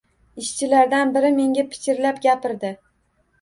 Ishchilardan biri menga pichirlab gapirdi